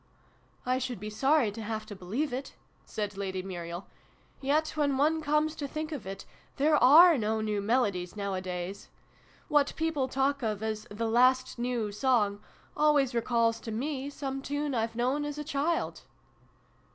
" I should be sorry to have to believe it," said Lady Muriel. "Yet, when one comes to think of it, there are no new melodies, now a days. What people talk of as ' the last new song' always recalls to me some tune I've known as a child